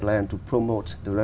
quốc gia quốc giả